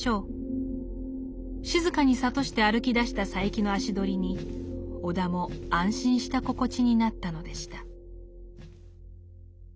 静かに諭して歩きだした佐柄木の足取りに尾田も安心した心地になったのでした。